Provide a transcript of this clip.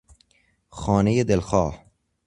خانهی دلخواه